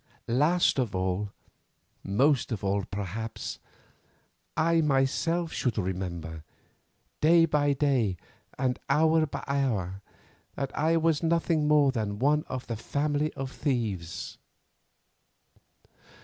Last of all—most of all, perhaps—I myself should remember, day by day, and hour by hour, that I was nothing more than one of the family of thieves.